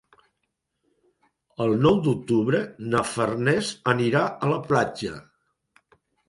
El nou d'octubre na Farners anirà a la platja.